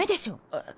あっ。